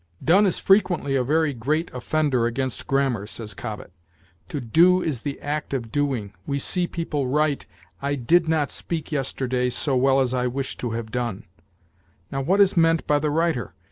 "Done is frequently a very great offender against grammar," says Cobbett. "To do is the act of doing. We see people write, 'I did not speak yesterday so well as I wished to have done.' Now, what is meant by the writer?